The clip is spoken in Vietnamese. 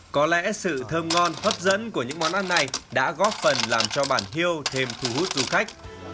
có lẽ sự thơm ngon hấp dẫn của những món ăn này đã góp phần làm cho bản hiêu thêm thu hút du khách